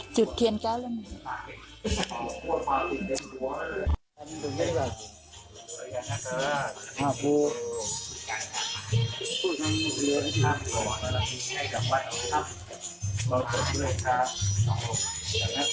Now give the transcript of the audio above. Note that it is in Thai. จืดเทียนแก้วแล้วหน่อย